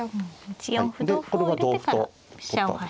１四歩同歩を入れてから飛車を走りましたね。